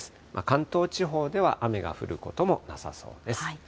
関東地方では雨が降ることもなさそうです。